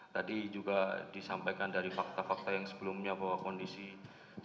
tadi juga disampaikan dari fakta fakta yang sebelumnya bahwa kondisi kesehatan